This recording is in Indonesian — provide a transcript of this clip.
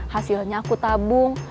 hasilnya aku tabung